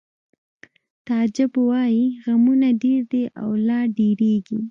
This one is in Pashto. تعجب وایی غمونه ډېر دي او لا ډېرېږي